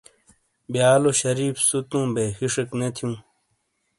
بیالو شریف سوتوں بئے ہِشیک نے تھیوں